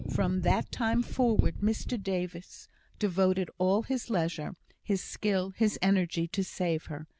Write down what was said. From that time forward Mr Davis devoted all his leisure, his skill, his energy, to save her.